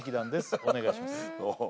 お願いします。